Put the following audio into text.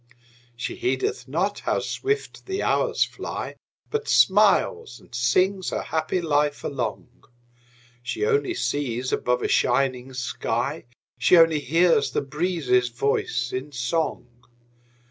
She heedeth not how swift the hours fly, But smiles and sings her happy life along; She only sees above a shining sky; She only hears the breezes' voice in song.